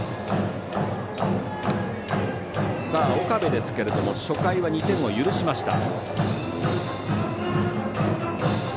岡部ですが、初回は２点を許しました。